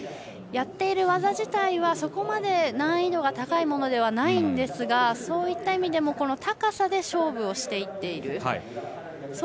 やっている技自体は難易度がそこまで高いものではないんですがそういった意味でも高さで勝負していっている。